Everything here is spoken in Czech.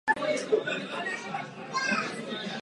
Saského a jeho manželky Markéty Habsburské.